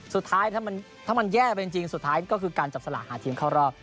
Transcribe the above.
สุดท้ายถ้ามันแย่ไปจริงสุดท้ายก็คือการจับสลากหาทีมเข้ารอบ